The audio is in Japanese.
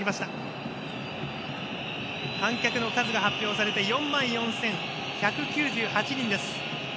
観客の数が発表されて４万４１９８人です。